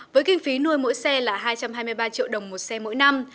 với kinh phí nuôi mỗi xe là hai trăm hai mươi ba triệu đồng một xe mỗi năm